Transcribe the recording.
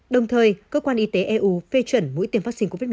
đồng thời cơ quan y tế eu phê chuẩn mũi tiêm vaccine covid một mươi chín